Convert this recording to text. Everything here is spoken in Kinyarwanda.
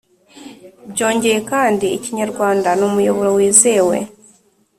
Byongeye kandi, Ikinyarwanda ni umuyoboro wizewe